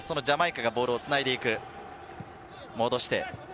そのジャマイカがボールをつないでいく。